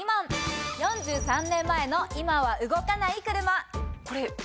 ４３年前の今は動かない車。